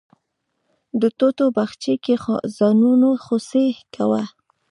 د توتو باغچې کې ځوانانو خوسی کوه.